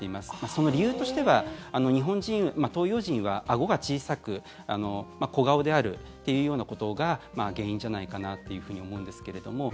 その理由としては日本人、東洋人はあごが小さく小顔であるというようなことが原因じゃないかなっていうふうに思うんですけれども。